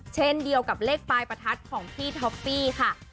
เช่นเดียวกับเลขปลายประทัดของพี่ท็อปปี้ค่ะ